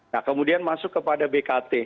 nah kemudian masuk kepada bkt